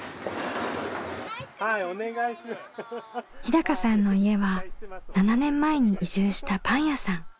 日さんの家は７年前に移住したパン屋さん。